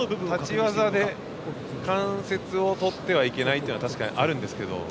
立ち技で関節を取ってはいけないというのは確かにありますが。